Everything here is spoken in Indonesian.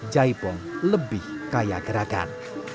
jaipong lebih kaya gerakan